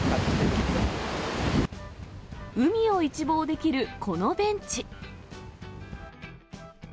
海を一望できるこのベンチ。